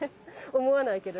思わないけどね